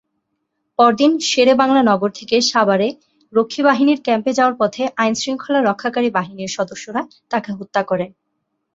পরদিন শেরেবাংলা নগর থেকে সাভারে রক্ষীবাহিনীর ক্যাম্পে যাওয়ার পথে আইনশৃঙ্খলা রক্ষাকারী বাহিনীর সদস্যরা তাকে হত্যা করে।।